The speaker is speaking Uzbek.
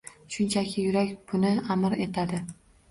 Shunchaki, yurak buni amr etadi.